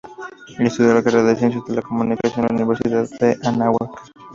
Estudió la carrera de Ciencias de la Comunicación en la Universidad Anáhuac.